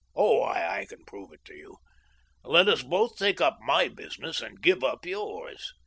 Oh, I can prove it to you ! Let us both take up my business, and give up yours.